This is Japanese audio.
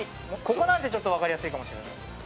ここなんてちょっとわかりやすいかもしれない。